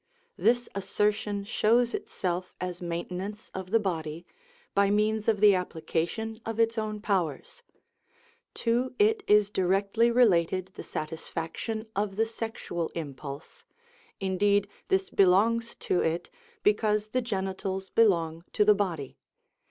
This assertion shows itself as maintenance of the body, by means of the application of its own powers. To it is directly related the satisfaction of the sexual impulse; indeed this belongs to it, because the genitals belong to the body.